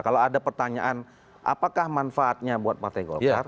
kalau ada pertanyaan apakah manfaatnya buat pak tegolkar